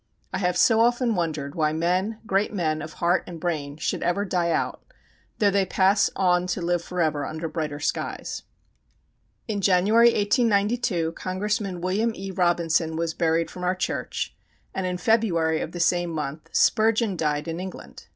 I have so often wondered why men, great men of heart and brain, should ever die out, though they pass on to live forever under brighter skies. In January, 1892, Congressman William E. Robinson was buried from our church, and in February of the same month Spurgeon died in England.